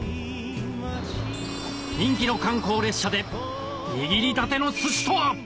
人気の観光列車で握りたての寿司とは？